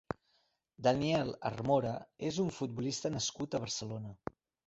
Daniel Armora és un futbolista nascut a Barcelona.